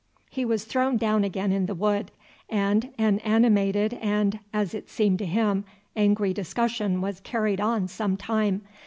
He was thrown down again in the wood, and an animated and, as it seemed to him, angry discussion was carried on some time.